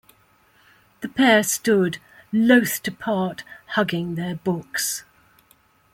The pair stood, loth to part, hugging their books.